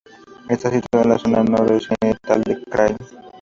Está situado en la zona noroccidental del krai.